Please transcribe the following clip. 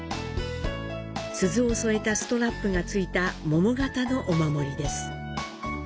鈴を添えたストラップが付いた桃型のお守りです。